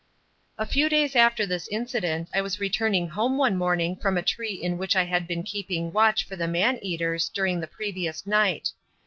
A few days after this incident I was returning home one morning from a tree in which I had been keeping watch for the man eaters during the previous night.